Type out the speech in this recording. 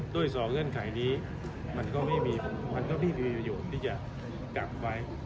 โดยสองเงื่อนไขนี้มันก็ไม่มีประโยชน์ที่จะกลับไฟ